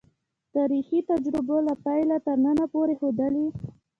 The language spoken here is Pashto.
تاریخي تجربو له پیله تر ننه پورې ښودلې.